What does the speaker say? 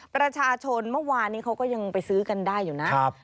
ประชาชนเมื่อวานนี้เขาก็ยังไปซื้อกันได้อยู่นะ